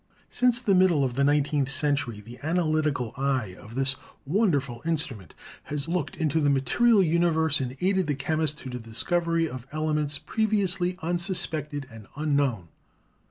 Since the middle of the nineteenth century the analytical eye of this wonderful instrument has looked into the ma terial universe and aided the chemist to the discovery of elements previously unsuspected and unknown.